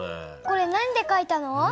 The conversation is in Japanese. これ何でかいたの？